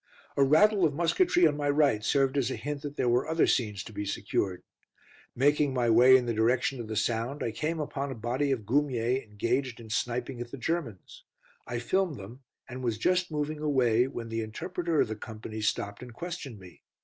A rattle of musketry on my right served as a hint that there were other scenes to be secured. Making my way in the direction of the sound, I came upon a body of Goumiers engaged in sniping at the Germans. I filmed them, and was just moving away when the interpreter of the company stopped and questioned me.